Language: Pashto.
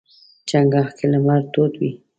چنګاښ کې لمر تود وي.